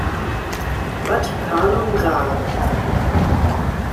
Vatikanum rar.